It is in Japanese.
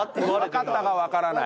「わかった？」がわからない？